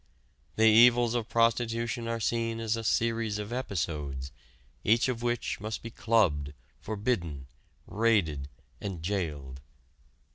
The evils of prostitution are seen as a series of episodes, each of which must be clubbed, forbidden, raided and jailed.